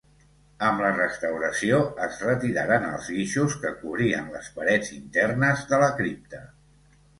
Amb la restauració es retiraren els guixos que cobrien les parets internes de la cripta.